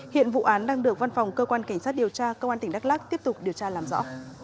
hiện vụ án đang được văn phòng cơ quan cảnh sát điều tra công an tỉnh đắk lắc tiếp tục điều tra làm rõ